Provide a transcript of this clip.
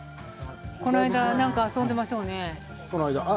この間遊んでいましょうね。